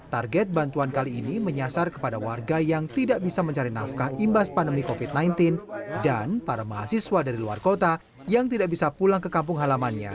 target bantuan kali ini menyasar kepada warga yang tidak bisa mencari nafkah imbas pandemi covid sembilan belas dan para mahasiswa dari luar kota yang tidak bisa pulang ke kampung halamannya